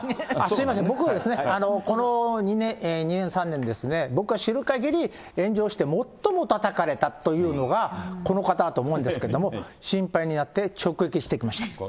すみません、僕ですね、この２年、３年ですね、僕が知るかぎり、炎上して最もたたかれたというのが、この方だと思うんですけれども、心配になって直撃してきました。